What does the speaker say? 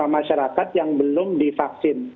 masyarakat yang belum divaksin